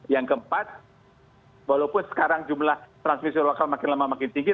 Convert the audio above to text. yang keempat walaupun sekarang jumlah transmisi lokal makin lama makin tinggi